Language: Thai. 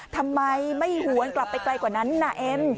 ทำไมไม่หวนกลับไปไกลกว่านั้นน่ะเอ็ม